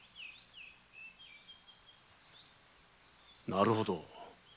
なるほど。